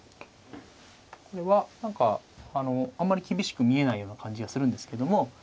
これは何かあんまり厳しく見えないような感じがするんですけども。